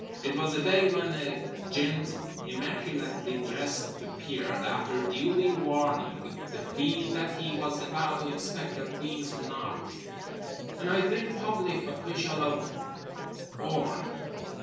It was a day when a gent immaculately dressed appeared—after duly warning the Fiend that he was about to inspect the Fiend's ménage—an, I think, public official of Orne.